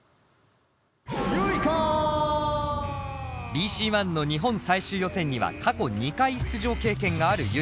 ＢＣＯｎｅの日本最終予選には過去２回出場経験があるＹｕｉｋａ。